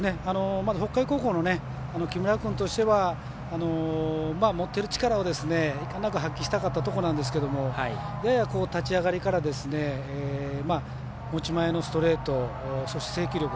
まず北海高校の木村君としては持ってる力を遺憾なく発揮したかったところなんですがやや、立ち上がりから持ち前のストレートそして制球力。